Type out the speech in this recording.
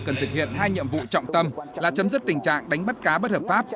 cần thực hiện hai nhiệm vụ trọng tâm là chấm dứt tình trạng đánh bắt cá bất hợp pháp